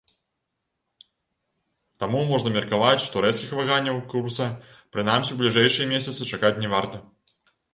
Таму можна меркаваць, што рэзкіх ваганняў курса, прынамсі ў бліжэйшыя месяцы, чакаць не варта.